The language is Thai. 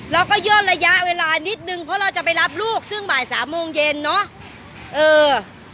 ย่นระยะเวลานิดนึงเพราะเราจะไปรับลูกซึ่งบ่ายสามโมงเย็นเนอะเออ